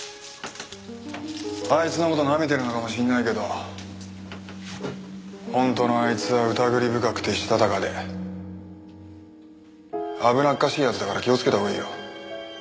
あいつの事なめてるのかもしれないけど本当のあいつは疑り深くてしたたかで危なっかしい奴だから気をつけたほうがいいよ。